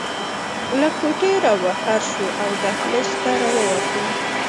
له کوټې رابهر شوو او دهلېز ته راووتو.